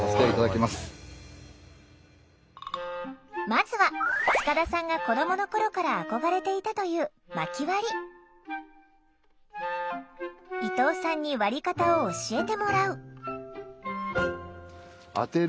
まずは塚田さんが子どもの頃から憧れていたという伊藤さんに割り方を教えてもらう。